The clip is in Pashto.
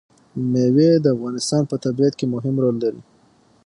مېوې د افغانستان په طبیعت کې مهم رول لري.